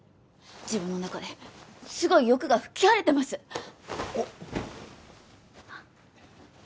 自分の中ですごい欲が吹き荒れてますおっえっ？